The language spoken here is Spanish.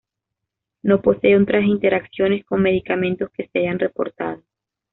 No posee otras interacciones con medicamentos que se hayan reportado.